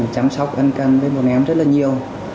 chăm sóc ăn cần với bọn em rất là nhiều